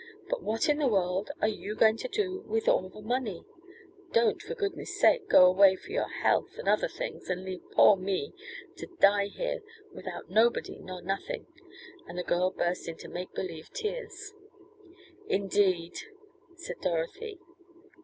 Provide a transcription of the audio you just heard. But what in the world are you going to do with all the money? Don't, for goodness' sake, go away for your health, and other things, and leave poor me to die here without nobody nor nuthin'," and the girl burst into make believe tears. "Indeed," said Dorothy.